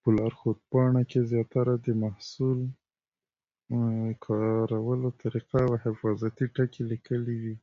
په لارښود پاڼه کې زیاتره د محصول کارولو طریقه او حفاظتي ټکي لیکلي وي.